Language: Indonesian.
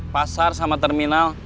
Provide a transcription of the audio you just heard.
pasar sama terminal